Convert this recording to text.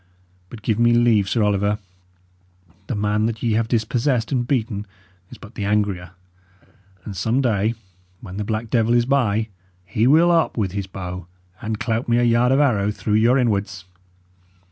But give me leave, Sir Oliver: the man that ye have dispossessed and beaten is but the angrier, and some day, when the black devil is by, he will up with his bow and clout me a yard of arrow through your inwards."